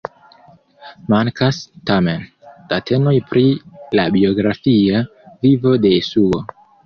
Mankas, tamen, datenoj pri la biografia vivo de Jesuo.